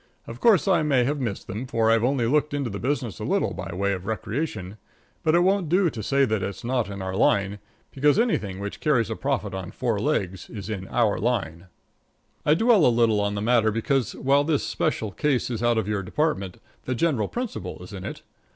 Of course, I may have missed them, for I've only looked into the business a little by way of recreation, but it won't do to say that it's not in our line, because anything which carries a profit on four legs is in our line. I dwell a little on the matter because, while this special case is out of your department, the general principle is in it.